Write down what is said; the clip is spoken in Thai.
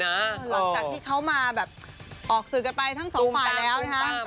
หลังจากที่เขามาแบบออกสื่อกันไปทั้งสองฝ่ายแล้วนะคะ